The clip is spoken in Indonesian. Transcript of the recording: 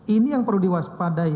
ini yang perlu diwaspadai